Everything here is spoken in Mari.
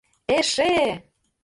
Эше!